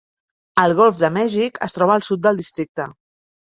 El golf de Mèxic es troba al sud del districte.